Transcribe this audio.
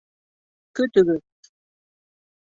Көтөгөҙ!